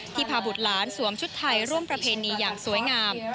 พาบุตรหลานสวมชุดไทยร่วมประเพณีอย่างสวยงาม